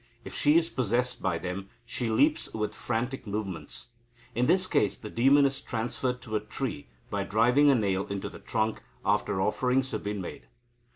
If she is possessed by them, she leaps with frantic movements. In this case, the demon is transferred to a tree by driving a nail into the trunk, after offerings have been made.